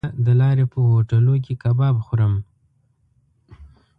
زه د لارې په هوټلو کې کباب خورم.